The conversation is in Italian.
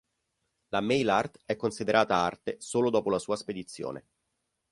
La mail art è considerata arte solo dopo la sua spedizione.